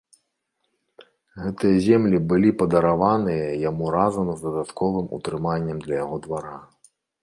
Гэтыя землі былі падараваны яму разам з дастатковым утрыманнем для яго двара.